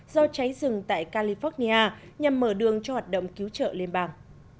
do cháy rừng tại california nhằm mở đường cho hoạt động cứu trợ liên bang